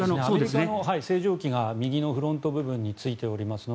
アメリカの星条旗が右のフロント部分についていますので。